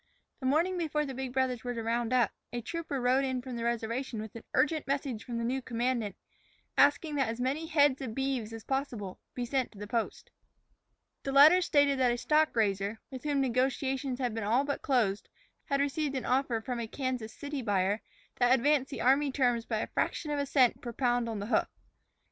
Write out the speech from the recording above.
The morning before the big brothers were to round up, a trooper rode in from the reservation with an urgent message from the new commandant, asking that as many head of beeves as possible be sent to the post. The letter stated that a stock raiser, with whom negotiations had been all but closed, had received an offer from a Kansas City buyer that advanced the army terms by a fraction of a cent per pound on the hoof.